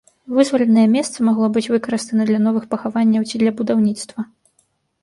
Вызваленае месца магло быць выкарыстана для новых пахаванняў ці для будаўніцтва.